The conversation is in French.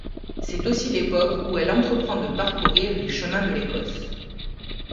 C’est aussi l’époque où elle entreprend de parcourir les chemins de l'Écosse.